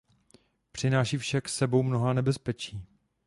Přináší však s sebou mnohá nebezpečí.